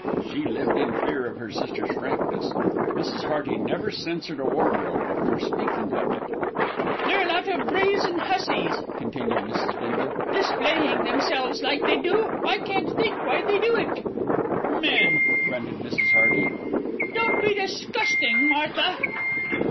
She lived in fear of her sister's frankness; Mrs. Hearty never censored a wardrobe before speaking of it. "They're a lot of brazen hussies," continued Mrs. Bindle, "displaying themselves like they do. I can't think why they do it." "Men!" grunted Mrs. Hearty. "Don't be disgusting, Martha."